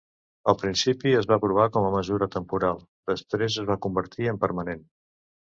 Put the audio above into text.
Al principi es va aprovar com a mesura temporal; després es va convertir en permanent.